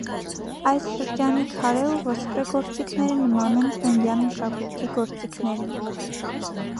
Այս շրջանի քարե ու ոսկրե գործիքները նման են կունդյան մշակույթի գործիքներին։